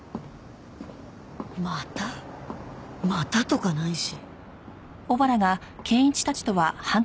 またとかないし。